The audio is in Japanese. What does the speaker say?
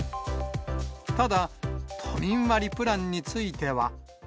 ただ、都民割プランについては。